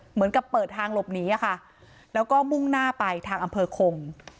เหมือนกับเปิดทางหลบหนีอะค่ะแล้วก็มุ่งหน้าไปทางอำเภอคง